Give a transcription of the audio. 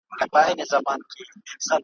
چي وو به نرم د مور تر غېږي `